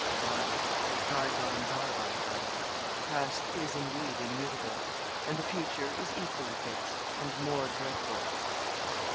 'Aye, by gones are by gones; the past is, indeed, immutable, and the future is equally fixed, and more dreadful.'